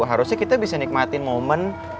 harusnya kita bisa nikmatin momen